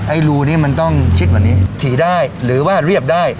รูนี้มันต้องชิดกว่านี้ถี่ได้หรือว่าเรียบได้